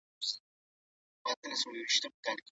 خاوند باید د وسع مطابق کوم شیان برابر کړي؟